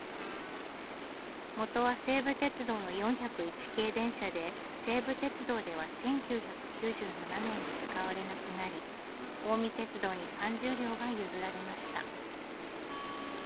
もとは西武鉄道の４０１系電車で西武鉄道では１９９７年に使われなくなり近江鉄道に３０両が譲られました。